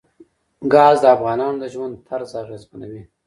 ګاز د افغانانو د ژوند طرز اغېزمنوي.